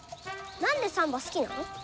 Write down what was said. なんでサンバすきなの？